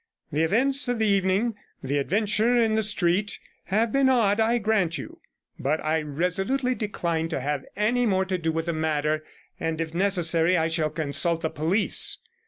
The events of the evening, the adventure in the street, have been odd, I grant you, but I resolutely decline to have any more to do with the matter, and, if necessary, I shall consult the police.